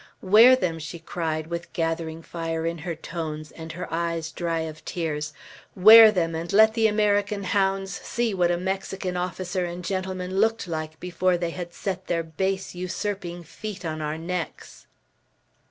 "Wear them!" she cried, with gathering fire in her tones, and her eyes dry of tears, "wear them, and let the American hounds see what a Mexican officer and gentleman looked like before they had set their base, usurping feet on our necks!"